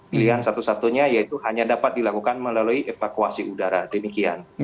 pilihan satu satunya yaitu hanya dapat dilakukan melalui evakuasi udara demikian